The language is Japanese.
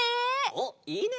おっいいね！